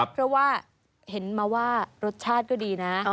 เพราะว่าเห็นมาว่ารสชาติก็ดีนะ